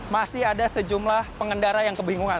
masih ada sejumlah pengendara yang kebingungan